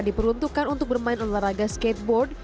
diperuntukkan untuk bermain olahraga skateboard